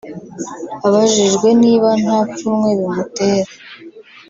Abajijwe niba nta pfunwe bimutera